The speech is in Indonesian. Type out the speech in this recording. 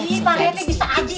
ih parete bisa aja ih